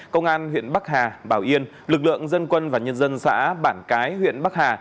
công an huyện bắc hà bảo yên lực lượng dân quân và nhân dân xã bản cái huyện bắc hà